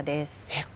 えっ？